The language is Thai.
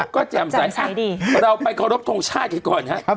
ก็แจ่มใสดีเราไปเคารพทงชาติกันก่อนครับ